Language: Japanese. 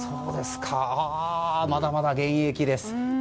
まだまだ現役です。